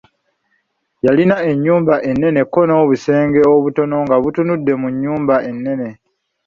Yalina ennyumba ennene ko n'obusenge obutono nga butunudde mu nnyumba ennene.